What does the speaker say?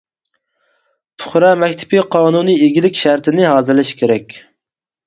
پۇقرا مەكتىپى قانۇنىي ئىگىلىك شەرتىنى ھازىرلىشى كېرەك.